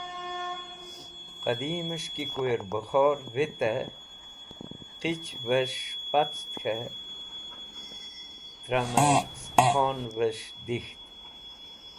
Qẽdimẽs̃h ki kuyẽr bẽkhor vitẽ qichvẽs̃h pacẽt k̃hẽ tramẽ estkonvẽs̃h dik̃ht.